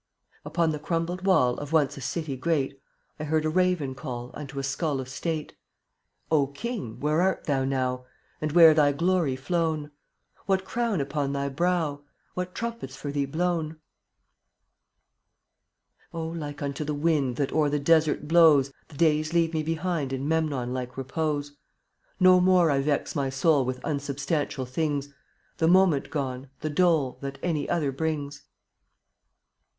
Upon the crumbled wall Of once a city great, 1 heard a raven call Unto a skull of state: O king! where art thou now, And where thy glory flown? What crown upon thy brow? What trumpets for thee blown? Oh, like unto the wind That o'er the desert blows, The days leave me behind In Memnon like repose. No more I vex my soul With unsubstantial things, The moment gone, the dole That any other brings.